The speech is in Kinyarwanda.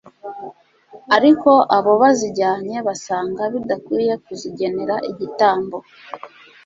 ariko abo bazijyanye basanga bidakwiye kuzigenera igitambo